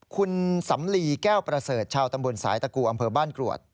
คุณสำลีแก้วประเสริฐชาวตำบลสายตะกูอำเภอบ้านกรวด